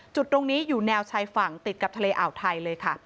จุดตรงนี้อยู่แนวชายฝั่งติดกับทะเลอ่าวไทยเลยค่ะ